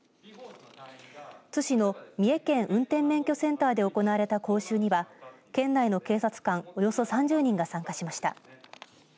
津市の三重県運転免許センターで行われた講習には県内の警察官およそ３０人が参加しました。